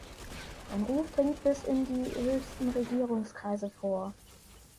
Sein Ruf dringt bis in die höchsten Regierungskreise vor.